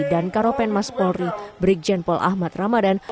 dan karopen mas polri brigjen pol ahmad ramadan